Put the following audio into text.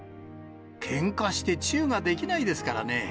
けんかしてチューができないですからね。